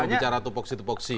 kalau bicara tupoksi tupoksi